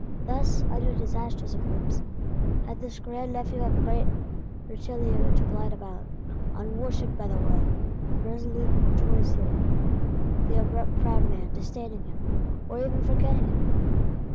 Thus, under disastrous eclipse, had this grand nephew of the great Richelieu to glide about; unworshipped by the world; resolute Choiseul, the abrupt proud man, disdaining him, or even forgetting him.